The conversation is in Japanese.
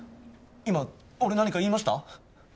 今俺何か言いました？